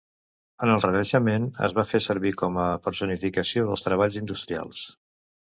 En el Renaixement, es va fer servir com a personificació dels treballs industrials.